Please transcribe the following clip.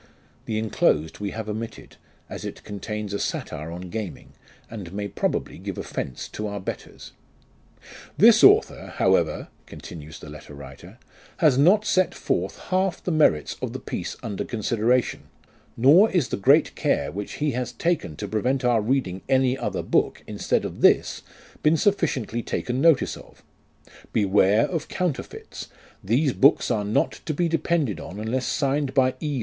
"(The inclosed we have omitted, as it contains a satire on gaming, and may probably give offence to our betters.} " This author, however," (continues the letter writer,) "has not set forth half the merits of the piece under consideration, nor is the great care which he has taken to prevent our reading any other book, instead of this, been sufficiently taken notice of: beware of counterfeits; these books are not to be depended on unless signed by E.